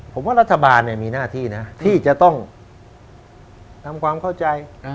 ผมว่ารัฐบาลมีหน้าที่นะที่จะต้องทำความเข้าใจ